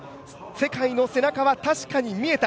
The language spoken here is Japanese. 世界の背中は確かに見えた。